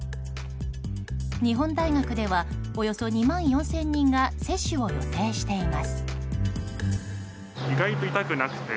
日本大学ではおよそ２万４０００人が接種を予定しています。